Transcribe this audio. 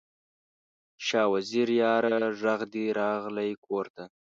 شاه وزیره یاره، ږغ دې راغلی کور ته